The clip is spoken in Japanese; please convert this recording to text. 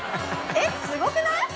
えっすごくない？